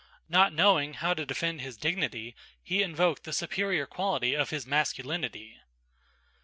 Not knowing how to defend his dignity, he invoked the superior quality of his masculinity!